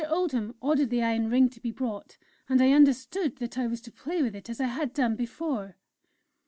Oldham ordered the Iron Ring to be brought, and I understood that I was to play with it as I had done before.